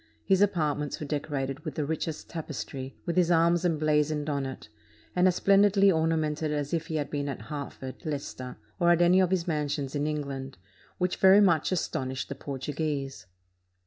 His apartments were decorated with the richest tapestry, with his arms emblazoned on it, and as splendidly ornamented as if he had been at Hert ford, Leicester, or at any of his mansions in England, which very much astonished the Portuguese.